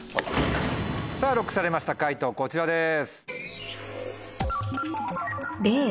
さぁＬＯＣＫされました解答こちらです。